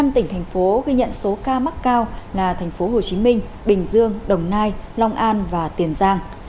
năm tỉnh thành phố ghi nhận số ca mắc cao là thành phố hồ chí minh bình dương đồng nai long an và tiền giang